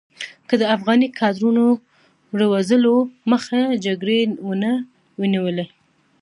که د افغاني کادرونو روزلو مخه جګړې نه وی نیولې.